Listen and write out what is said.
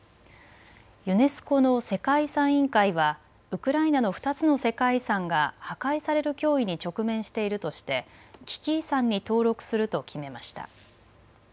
ユネスコの世界遺産委員会はウクライナの２つの世界遺産が破壊される脅威に直面しているとして危機遺産に登録すると決めました。